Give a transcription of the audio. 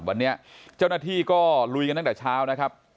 วันนี้เจ้าหน้าที่ก็ลุยกันตั้งแต่เช้านะครับ